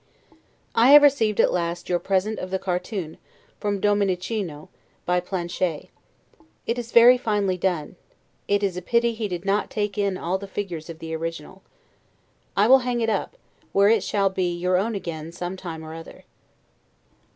I have received, at last, your present of the cartoon, from Dominichino, by Planchet. It is very finely done, it is pity that he did not take in all the figures of the original. I will hang it up, where it shall be your own again some time or other.